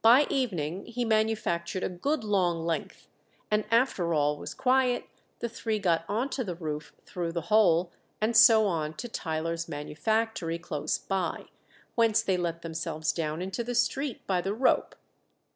By evening he manufactured a good long length, and after all was quiet the three got on to the roof through the hole, and so on to Tyler's manufactory close by, whence they let themselves down into the street by the rope.